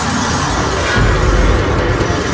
varsa ya ngak